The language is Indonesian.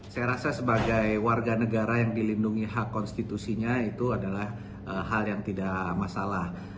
saya rasa sebagai warga negara yang dilindungi hak konstitusinya itu adalah hal yang tidak masalah